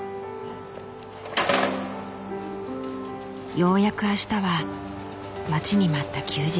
ようやく明日は待ちに待った休日。